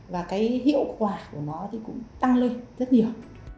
và hiệu quả của nó cũng tăng lên rất nhiều